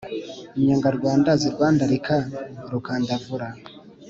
Inyangarwanda zirwandarika rukandavura